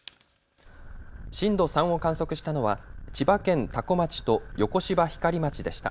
震度３を観測したのは千葉県多古町と横芝光町でした。